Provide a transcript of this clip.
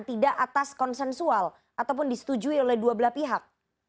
tidak atas konsensual ataupun disetujui oleh dua belah pihak